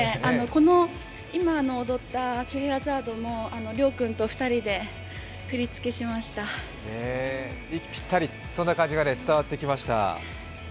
今踊った「シェヘラザード」も嶺君と２人で息ぴったりそんな感じが伝わってきました。